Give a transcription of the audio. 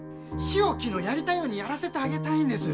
日置のやりたいようにやらせてあげたいんです。